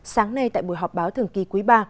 sáng nay tại buổi họp báo thường kỳ quý ba